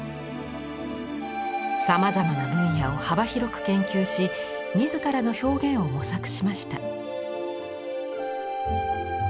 さまざまな分野を幅広く研究し自らの表現を模索しました。